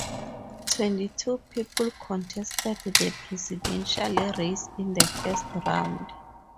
Twenty-two people contested the presidential race in the first round.